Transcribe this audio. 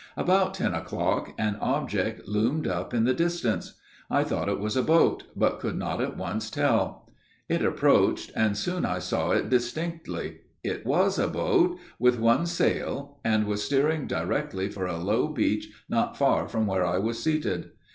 About ten o'clock, an object loomed up in the distance. I thought it was a boat, but could not at once tell. It approached, and soon I saw it distinctly. It was a boat, with one sail, and was steering directly for a low beach not far from where I was seated.